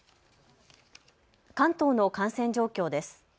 関東の感染状況です。